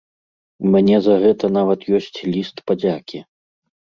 У мяне за гэта нават ёсць ліст падзякі.